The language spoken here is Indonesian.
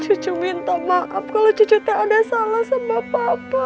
cucu minta maaf kalau cucu tak ada salah sama papa